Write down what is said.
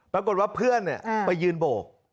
ปรากฏว่าเพื่อนไปยืนโบก